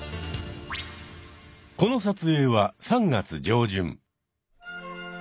この撮影は３月上旬。